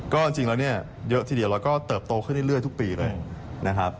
ก็จริงแล้วเยอะทีเดียวเราก็เติบโตขึ้นได้เรื่อยทุกปีเลย